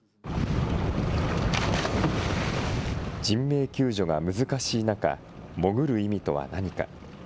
人命救助が難しい中、潜る意味とは何か。